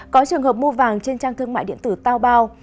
có trường hợp mua vàng trên trang thương mại điện tử tao bao